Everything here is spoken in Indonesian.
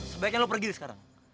sebaiknya lo pergi sekarang